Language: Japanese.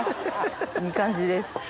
いい感じです。